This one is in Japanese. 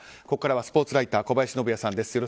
ここからはスポーツライター小林信也さんです。